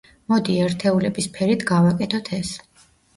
მოდი, ერთეულების ფერით გავაკეთოთ ეს.